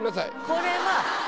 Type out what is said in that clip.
これは。